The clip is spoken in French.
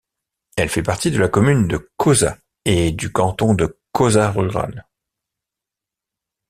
Elle fait partie de la commune de Koza et du canton de Koza rural.